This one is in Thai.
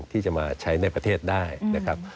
ที่จะมาใช้ในประเทศได้นะครับ